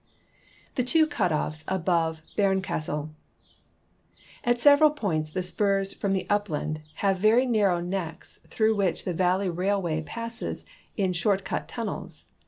The tivo cut offs above Berncastel. — At several points the spurs from the upland have very narrow necks through which the valley railway passes in " short cut" tunnels.